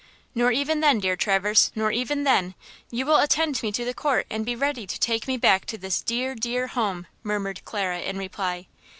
"Nor even then, dear Traverse, nor even then! You will attend me to the court and be ready to take me back to this dear, dear home!" murmured Clara in reply.